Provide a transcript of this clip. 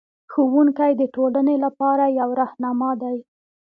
ښوونکی د ټولنې لپاره یو رهنما دی.